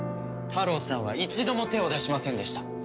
タロウさんは一度も手を出しませんでした。